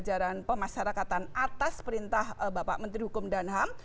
jajaran pemasarakatan atas perintah bapak menteri hukum dan ham